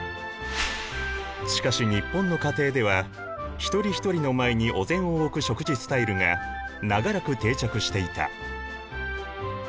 しかし日本の家庭では一人一人の前にお膳を置く食事スタイルが長らく定着していた。